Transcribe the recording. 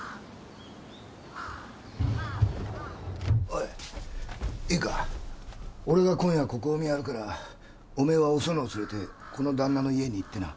おいいいか俺が今夜ここを見張るからお前はおそのを連れてこの旦那の家に行ってな。